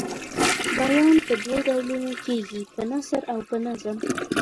بیان په دوو ډولونو کیږي په نثر او په نظم.